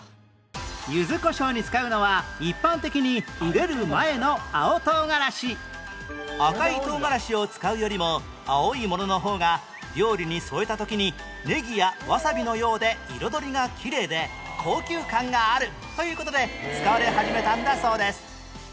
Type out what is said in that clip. ゆずこしょうに使うのは一般的に赤いとうがらしを使うよりも青いものの方が料理に添えた時にネギやワサビのようで彩りがきれいで高級感があるという事で使われ始めたんだそうです